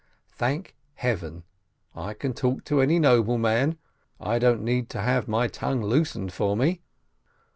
I thank Heaven, I can talk to any nobleman, I don't need to have my tongue loosened for me.